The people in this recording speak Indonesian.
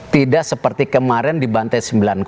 tidak seperti kemarin di bantai sembilan